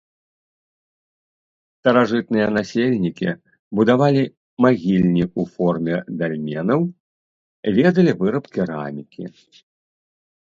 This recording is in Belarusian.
Старажытныя насельнікі будавалі магільні ў форме дальменаў, ведалі выраб керамікі.